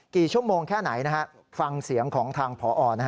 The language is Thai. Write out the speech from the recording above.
กี่ชั่วโมงแค่ไหนฮะฟังเสียงของทางผอ